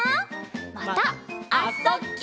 また「あ・そ・ぎゅ」